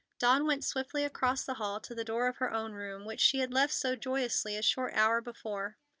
Dawn went swiftly across the hall to the door of her own room, which she had left so joyously a short hour before.